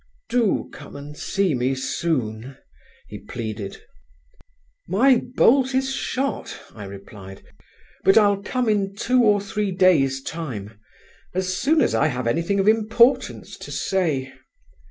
"Do come and see me soon," he pleaded. "My bolt is shot," I replied; "but I'll come in two or three days' time, as soon as I have anything of importance to say....